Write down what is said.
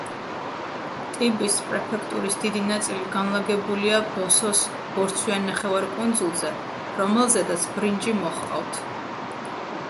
ტიბის პრეფექტურის დიდი ნაწილი განლაგებულია ბოსოს ბორცვიან ნახევარკუნძულზე, რომელზედაც ბრინჯი მოჰყავთ.